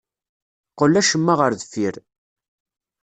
Qqel acemma ɣer deffir.